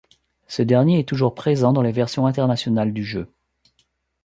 Ce dernier est toujours présent dans les versions internationales du jeu.